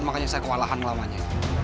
makanya saya kewalahan ngelamanya